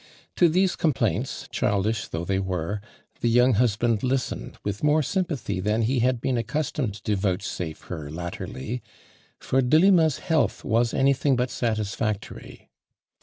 To these complaints, childish though they were, the young husband listened with more sympa thy than he had been accustomed to vouch safe her latterly, for Delima' s health was anything but satisfactory.